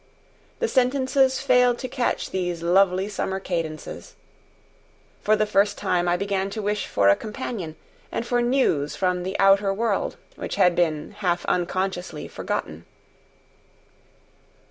The sentences failed to catch these lovely summer cadences. For the first time I began to wish for a companion and for news from the outer world, which had been, half unconsciously, forgotten.